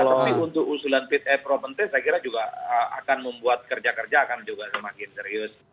tapi untuk usulan fit and proper test saya kira juga akan membuat kerja kerja akan juga semakin serius